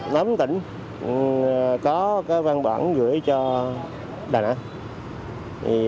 tất cả tám tỉnh có văn bản gửi cho đà nẵng